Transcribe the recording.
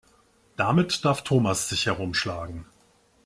Damit darf Thomas sich herumschlagen.